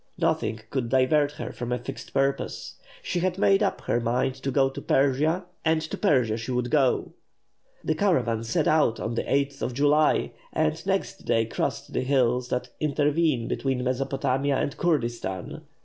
Nothing could divert her from a fixed purpose. She had made up her mind to go to Persia, and to Persia she would go. The caravan set out on the 8th of July, and next day crossed the hills that intervene between Mesopotamia and Kurdistan.